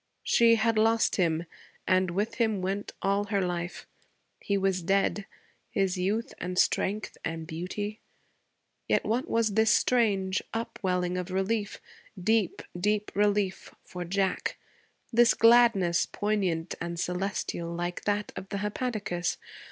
She had lost him, and with him went all her life. He was dead, his youth and strength and beauty. Yet what was this strange up welling of relief, deep, deep relief, for Jack; this gladness, poignant and celestial, like that of the hepaticas?